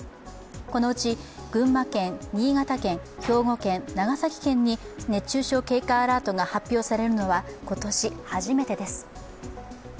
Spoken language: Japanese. このうち、群馬県、新潟県、兵庫県、長崎県に熱中症警戒アラートが発表されるのは、今年初めてです。